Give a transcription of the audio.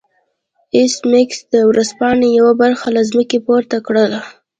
ایس میکس د ورځپاڼې یوه برخه له ځمکې پورته کړه